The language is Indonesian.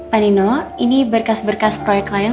pak nino ini berkas berkas proyek lain